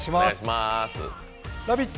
「ラヴィット！」